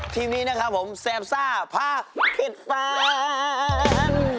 ทีมนี้นะครับผมแซมซ่าผ้าเข็ดแฟน